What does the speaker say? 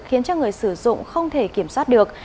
khiến cho người sử dụng không thể kiểm soát được